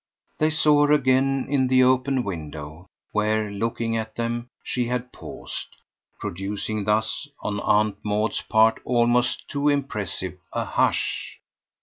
They saw her again in the open window, where, looking at them, she had paused producing thus on Aunt Maud's part almost too impressive a "Hush!"